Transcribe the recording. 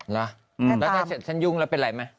แล้วใกล้เสร็จฉันยุ่งแล้วเป็นไรมั้ย